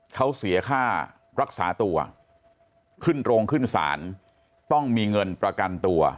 เขาเสียค่ารักษาตัวขึ้นโรงขึ้นศาลต้องมีเงินประกันตัว